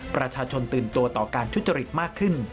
ประชาชนตื่นตัวต่อการทุจริตมากขึ้น